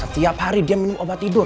setiap hari dia minum obat tidur